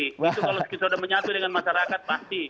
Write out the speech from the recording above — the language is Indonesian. itu kalau sudah menyatu dengan masyarakat pasti